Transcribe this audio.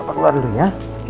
dapat keluar dulu ya